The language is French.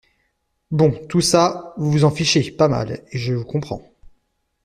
Bon, tout ça, vous vous en fichez pas mal et je vous comprends.